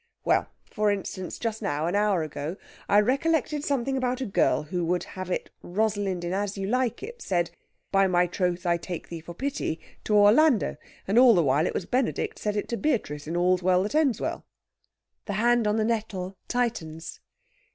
"Well! For instance, just now an hour ago I recollected something about a girl who would have it Rosalind in As You Like It said, 'By my troth I take thee for pity,' to Orlando. And all the while it was Benedict said it to Beatrice in All's Well that Ends Well." The hand on the nettle tightens.